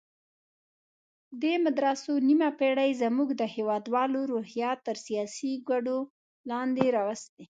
دې مدرسو نیمه پېړۍ زموږ د هېوادوالو روحیات تر سیاسي کوډو لاندې راوستي.